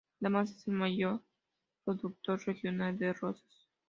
Además es el mayor productor regional de rosas.